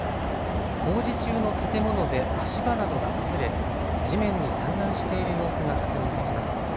工事中の建物で足場などが崩れ地面に散乱している様子が確認できます。